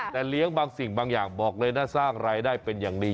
แต่เลี้ยงบางสิ่งบางอย่างบอกเลยนะสร้างรายได้เป็นอย่างดี